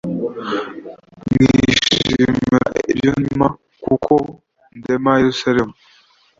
Mwishimira ibyo ndema k kuko ndema yerusalemu